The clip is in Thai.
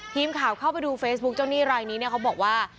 ทีมข่าวเข้าไปดูเฟซบุ๊คเจ้าหนี้รายนี้เนี่ยเขาบอกว่า